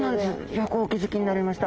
よくお気付きになりました。